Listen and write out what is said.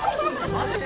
・マジ！？